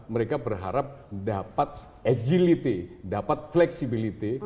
mereka berharap dapat agility dapat fleksibilitas